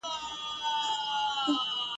که می غوږ پر نغمه کښېږدې ټوله ژوند پسرلی کېږی ..